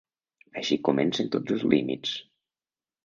Així comencen tots els límits.